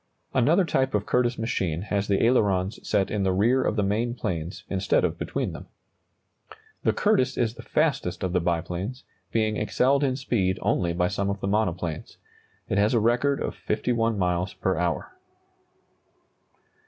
Another type of Curtiss machine has the ailerons set in the rear of the main planes, instead of between them. The Curtiss is the fastest of the biplanes, being excelled in speed only by some of the monoplanes. It has a record of 51 miles per hour.